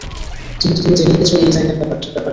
যেহেতু তুমি জেনেই গেছ এই জায়গার ব্যাপারে।